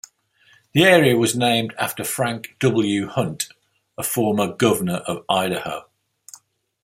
The area was named after Frank W. Hunt, a former Governor of Idaho.